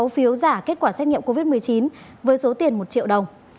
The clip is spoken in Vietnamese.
sáu phiếu giả kết quả xét nghiệm covid một mươi chín với số tiền một triệu đồng